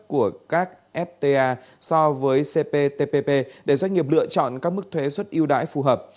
của các fta so với cptpp để doanh nghiệp lựa chọn các mức thuế xuất yêu đãi phù hợp